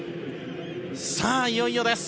いよいよです。